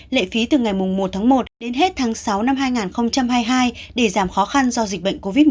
lệ phí từ ngày một tháng một đến hết tháng sáu năm hai nghìn hai mươi hai để giảm khó khăn do dịch bệnh covid một mươi chín